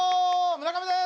村上です！